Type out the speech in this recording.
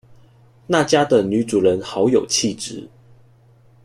那家的女主人好有氣質